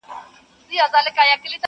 له قصرونو د نمرود به پورته ږغ د واویلا سي؛